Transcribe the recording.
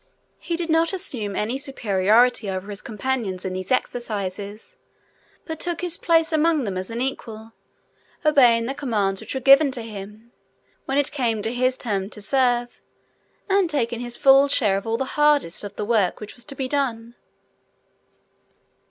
He did not assume any superiority over his companions in these exercises, but took his place among them as an equal, obeying the commands which were given to him, when it came to his turn to serve, and taking his full share of all the hardest of the work which was to be done.